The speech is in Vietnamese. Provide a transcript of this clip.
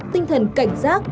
tinh thần cảnh giác